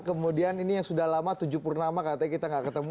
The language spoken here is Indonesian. kemudian ini yang sudah lama tujuh purnama katanya kita nggak ketemu